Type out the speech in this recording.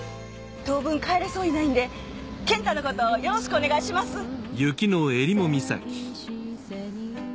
当分帰れそうにないんで健太のことよろしくお願いします。